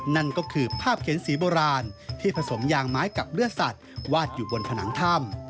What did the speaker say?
นั่นก็คือภาพเขียนสีโบราณที่ผสมยางไม้กับเลือดสัตว์วาดอยู่บนผนังถ้ำ